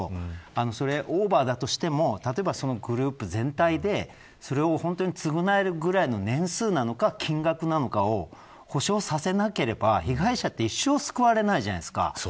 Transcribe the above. それは、オーバーだとしても例えばグループ全体でそれを本当に償えるぐらいの年数なのか、金額なのかを補償させなければ被害者って一生救われないじゃないですか。